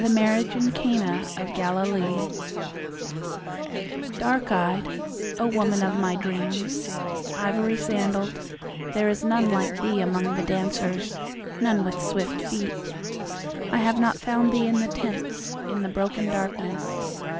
Dance Figure By Ezra Pound DARK EYED,O woman of my dreams, Ivory sandaled, There is none like thee among the dancers, None with swift feet.I have not found thee in the tents, In the broken darkness.